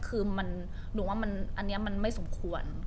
คือหนูว่าอันนี้มันไม่สมควร